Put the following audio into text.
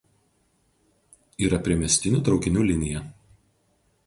Yra priemiestinių traukinių linija.